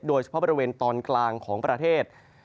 โดยเฉพาะบริเวณตอนกลางของประเทศ